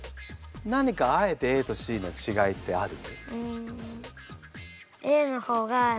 何かあえてＡとＣの違いってある？